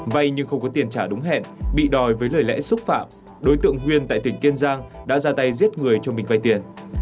vay nhưng không có tiền trả đúng hẹn bị đòi với lời lẽ xúc phạm đối tượng nguyên tại tỉnh kiên giang đã ra tay giết người cho mình vay tiền